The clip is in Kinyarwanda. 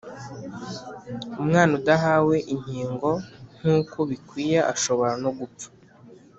umwana udahawe inkingo nk’uko bikwiye ashobora no gupfa